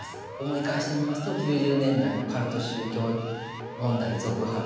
思い返してみますと９０年代のカルト宗教問題続発